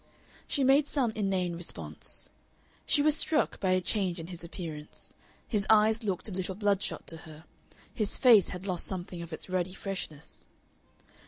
She made some inane response. She was struck by a change in his appearance. His eyes looked a little bloodshot to her; his face had lost something of its ruddy freshness.